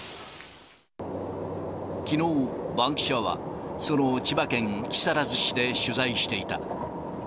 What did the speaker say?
きのう、バンキシャはその千葉県木更津市で取材していた。